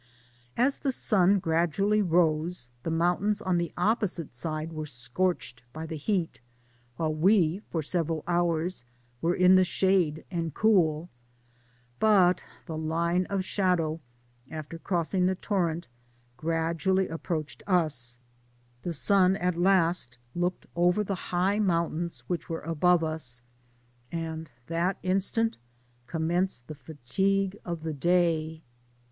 As the sun gradually rose, the mountains on the opposite side were scorched by the heat, while we for several hours were in the shade and cool ; but the line of shadow, after crossing the torrent, gradually approached us, the sun at last looked over the high Digitized byGoogk MINE OF SAN PEDRO NOLASCO. 615 mountains which were above us, and that instant commenced the fatigue of the day.